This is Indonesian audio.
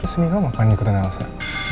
terus ini apa yang ikutin elsa